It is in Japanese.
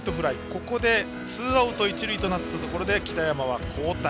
ここでツーアウト一塁となったところで北山は交代。